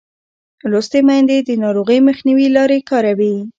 لوستې میندې د ناروغۍ مخنیوي لارې کاروي.